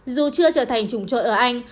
dù chưa trở thành chủng trội ở anh